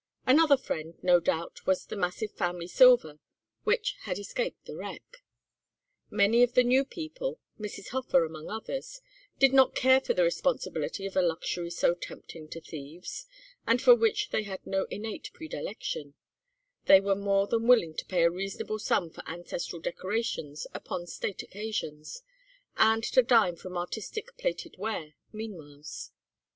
Another friend, no doubt, was the massive family silver which had escaped the wreck. Many of the new people, Mrs. Hofer among others, did not care for the responsibility of a luxury so tempting to thieves, and for which they had no innate predilection; they were more than willing to pay a reasonable sum for ancestral decorations upon state occasions, and to dine from artistic plated ware meanwhiles.